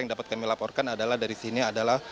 yang dapat kami laporkan adalah dari sini adalah